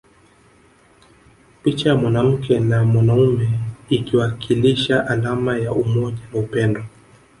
Picha ya mwanamke na mwanaume ikiwakilisha alama ya umoja na upendo